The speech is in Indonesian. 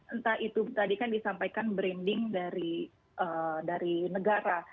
entah itu tadi kan disampaikan branding dari negara